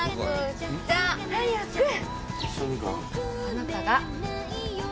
「あなたが」